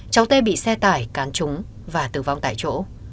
cháu tê bị xe tải cán trúng và tử vong tại chỗ